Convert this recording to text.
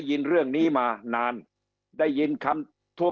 โดยเฉพาะงบประมาณของกระทรวงกลาโหม